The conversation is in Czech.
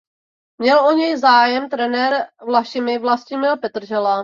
Měl o něj zájem trenér Vlašimi Vlastimil Petržela.